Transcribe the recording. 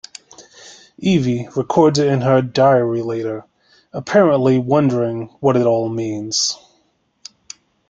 Evie records it in her diary later, apparently wondering what it all means.